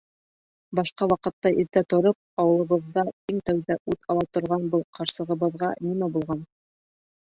Башҡа ваҡытта иртә тороп, ауылыбыҙҙа иң тәүҙә ут ала торған был ҡарсығыбыҙға нимә булған?